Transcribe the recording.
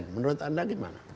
menurut anda gimana